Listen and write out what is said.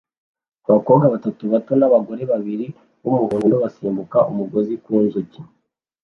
Abakobwa batatu bato n'abagore babiri b'umuhondo basimbuka umugozi ku nzuki